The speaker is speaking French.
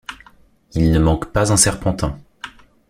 Il ne manque pas un serpentin.